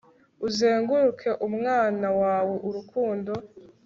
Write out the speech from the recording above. Uzenguruke umwana wawe urukundo